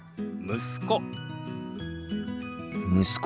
息子。